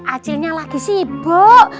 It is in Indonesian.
acilnya lagi sibuk